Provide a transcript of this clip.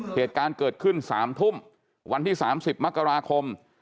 เหตุการณ์เกิดขึ้น๓ทุ่มวันที่๓๐มกราคม